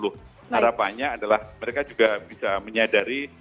harapannya adalah mereka juga bisa menyadari